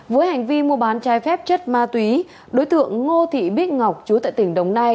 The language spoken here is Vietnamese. với hành vi mua bán trái phép chất ma túy đối tượng ngô thị bích ngọc chú tại tỉnh đồng nai